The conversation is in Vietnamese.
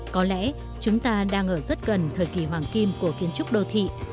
có lẽ chúng ta đang ở rất gần thời kỳ hoàng kim của kiến trúc đô thị